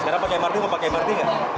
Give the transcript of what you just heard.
sekarang pakai mrt mau pakai mrt nggak